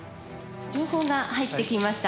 情報が入ってきました。